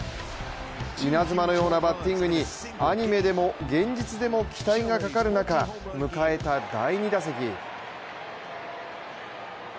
稲妻のようなバッティングにアニメでも現実でも期待がかかる中、迎えた第２打席。